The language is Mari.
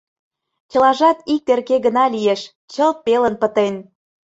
Чылажат ик терке гына лиеш, чылт пелын пытен...